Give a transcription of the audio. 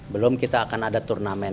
belum kita akan ada turnamen